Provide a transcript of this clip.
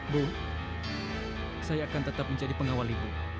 bu saya akan tetap menjadi pengawal ibu